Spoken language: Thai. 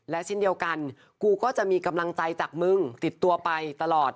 และเช่นเดียวกันกูก็จะมีกำลังใจจากมึงติดตัวไปตลอด